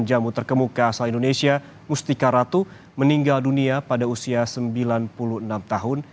jamu terkemuka asal indonesia mustika ratu meninggal dunia pada usia sembilan puluh enam tahun